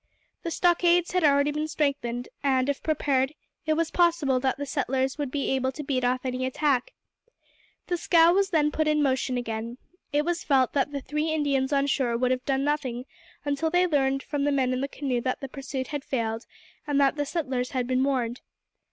The stockades had already been strengthened, and if prepared, it was probable that the settlers would be able to beat off any attack. The scow was then put in motion again. It was felt that the three Indians on shore would have done nothing until they learned from the men in the canoe that the pursuit had failed, and that the settlers had been warned.